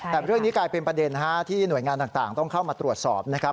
แต่เรื่องนี้กลายเป็นประเด็นที่หน่วยงานต่างต้องเข้ามาตรวจสอบนะครับ